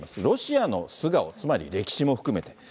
ロシアの素顔、つまり歴史も含めて。